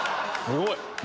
すごい！